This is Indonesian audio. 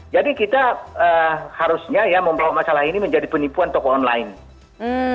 jadi kita harusnya ya membawa masalah ini menjadi penipuan toko online